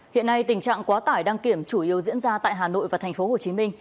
hiện nay tình trạng quá tải đăng kiểm chủ yếu diễn ra tại hà nội và tp hcm